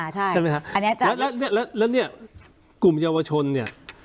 ใช่ไหมครับและกลุ่มเยาวชนเนี่ย